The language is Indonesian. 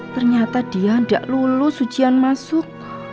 ternyata dia gak lulus ujian masuk